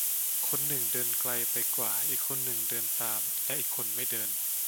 "คนหนึ่งเดินไกลไปกว่า อีกคนเดินตาม และอีกคนไม่เดิน"